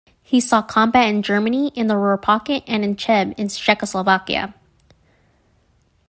He saw combat in Germany in the "Ruhr Pocket" and in Cheb in Czechoslovakia.